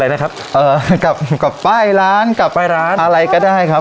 ไปอะไรนะครับเอ่อกลับกลับไปร้านกลับไปร้านอะไรก็ได้ครับ